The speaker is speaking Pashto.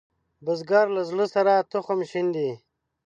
بزګر له زړۀ سره تخم شیندي